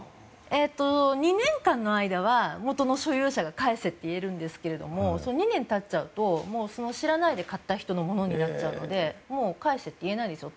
２年間の間は元の所有者が返せと言えるんですが２年たっちゃうと知らないで買った人のものになっちゃうのでもう返せって言えないんですよ